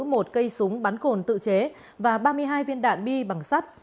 một cây súng bắn cồn tự chế và ba mươi hai viên đạn bi bằng sắt